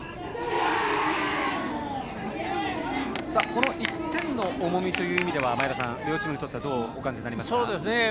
この１点の重みという意味では前田さん、両チームにとってどうお感じになりますか？